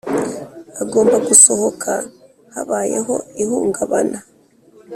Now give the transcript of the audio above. agomba gusohoka habayeho ihungabana